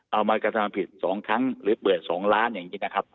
เอามากระทำผิด๒ครั้งหรือเปิด๒ล้านอย่างนี้นะครับ